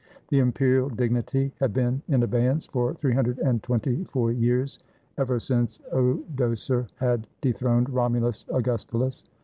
The imperial dignity had been in abeyance for three hundred and twenty four years, ever since Odoacer had dethroned Romulus Augustulus.